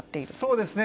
そうですね。